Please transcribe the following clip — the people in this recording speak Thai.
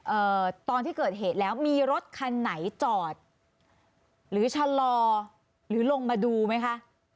เอ่อตอนที่เกิดเหตุแล้วมีรถคันไหนจอดหรือชะลอหรือลงมาดูไหมคะ